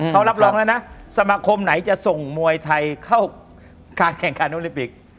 เขารับรองแล้วนะสมาคมไหนจะส่งมวยไทยเข้าการแข่งขันโอลิมปิก